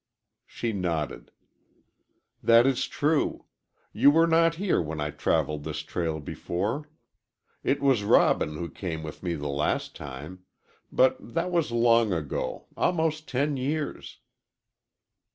She nodded. "That is true. You were not here when I traveled this trail before. It was Robin who came with me the last time. But that was long ago almost ten years."